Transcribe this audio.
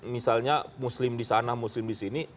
misalnya muslim di sana muslim di sini